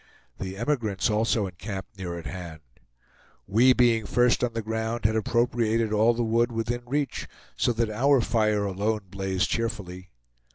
The emigrants also encamped near at hand. We, being first on the ground, had appropriated all the wood within reach; so that our fire alone blazed cheerfully.